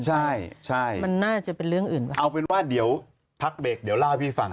ใช่ใช่มันน่าจะเป็นเรื่องอื่นเอาเป็นว่าเดี๋ยวพักเบรกเดี๋ยวเล่าให้พี่ฟัง